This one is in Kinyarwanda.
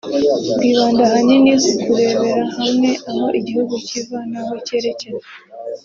bwibanda ahanini ku kurebera hamwe aho igihugu kiva n’aho cyerekeza